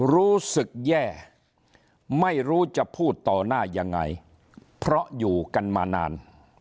รู้สึกแย่ไม่รู้จะพูดต่อหน้ายังไงเพราะอยู่กันมานาน